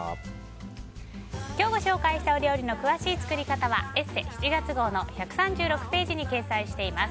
今日ご紹介したお料理の詳しい作り方は「ＥＳＳＥ」７月号の１３６ページに掲載しています。